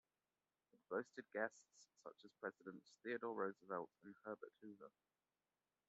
It boasted guests such as Presidents Theodore Roosevelt and Herbert Hoover.